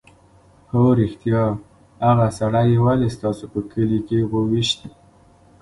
_هو رښتيا! هغه سړی يې ولې ستاسو په کلي کې وويشت؟